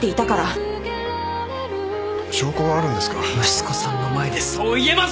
息子さんの前でそう言えますか！